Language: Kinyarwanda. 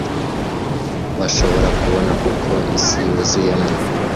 bashobora kubona kuko isi yuzuyemo